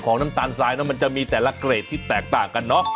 น้ำตาลทรายนะมันจะมีแต่ละเกรดที่แตกต่างกันเนอะ